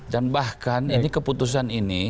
dan bahkan ini keputusan ini